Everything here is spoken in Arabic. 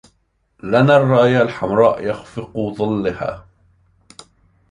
لنا الراية الحمراء يخفق ظلها